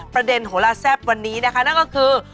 โหลาแซ่บวันนี้นะคะนั่นก็คือ